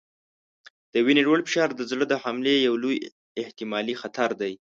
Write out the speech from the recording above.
د وینې لوړ فشار د زړه د حملې یو لوی احتمالي خطر دی.